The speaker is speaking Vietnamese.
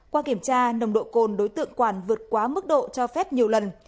qua kiểm tra nồng độ cồn đối tượng quản vượt quá mức độ cho phép nhiều lần